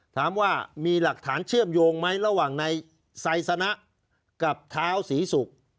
ถามว่ามีหลักฐานเชื่อมโยงไหมระหว่างในไซสนะกับเท้าศรีศุกร์